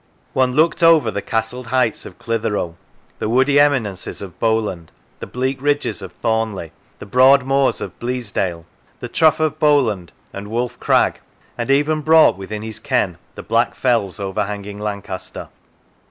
One looked over the castled heights of Clitheroe, the woody eminences of Bowland, the bleak ridges of Thornley; the broad moors of Bleasdale, the trough of Bowland, and Wolf Crag; and even brought within his ken the black fells overhanging Lancaster.